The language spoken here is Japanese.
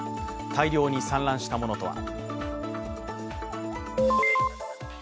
大量に散乱したものとは。